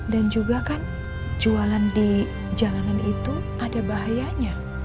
dan juga kan jualan di jalanan itu ada bahayanya